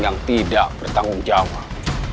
yang tidak bertanggung jawab